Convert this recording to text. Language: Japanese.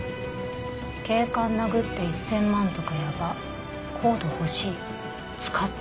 「警官殴って１０００万とかヤバＣＯＤＥほしい使ってみたい」。